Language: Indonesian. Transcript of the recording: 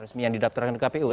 resmi yang didaftarkan ke kpu